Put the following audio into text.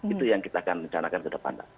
itu yang kita akan rencanakan kedepannya